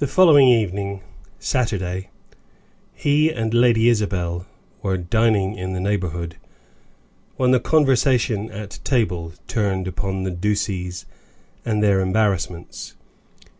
The following evening, Saturday, he and Lady Isabel were dining in the neighborhood, when the conversation at table turned upon the Ducies and their embarrassments.